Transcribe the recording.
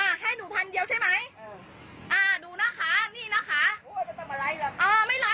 หนีค่ะขับรถตู้หนีให้ให้รถตู้พาหนีนะค่ะ